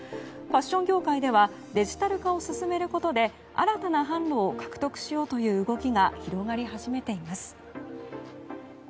ファッション業界ではデジタル化を進めることで新たな販路を獲得しようという動きが広がり始めています。